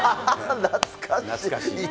懐かしい。